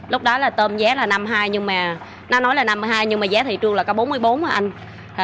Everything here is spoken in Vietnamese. lúc đó là tôm giá là năm mươi hai nhưng mà giá thị trường là bốn mươi bốn